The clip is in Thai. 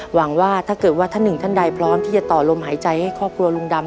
หวังว่าถ้าเกิดว่าท่านหนึ่งท่านใดพร้อมที่จะต่อลมหายใจให้ครอบครัวลุงดำ